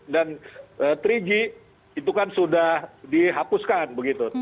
dan tiga g itu kan sudah dihapuskan begitu